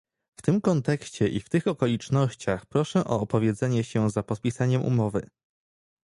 W tym kontekście i w tych okolicznościach proszę o opowiedzenie się za podpisaniem umowy